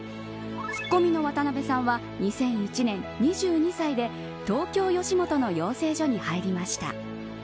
ツッコミの渡辺さんは２００１年２２歳で、東京吉本の養成所に入りました。